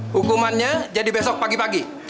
hukumannya jadi besok pagi pagi